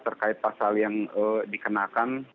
terkait pasal yang dikenakan